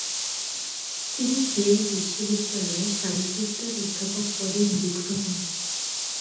তিনি কিয়েল বিশ্ববিদ্যালয়ে শারীরবিদ্যার অধ্যাপক পদে নিযুক্ত হন।